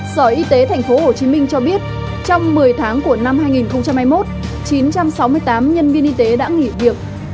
sở y tế tp hcm cho biết trong một mươi tháng của năm hai nghìn hai mươi một chín trăm sáu mươi tám nhân viên y tế đã nghỉ việc